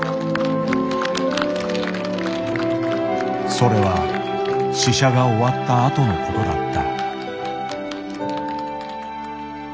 それは試写が終わったあとのことだった。